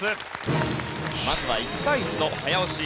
まずは１対１の早押し。